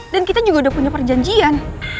dan kita juga udah punya perjanjian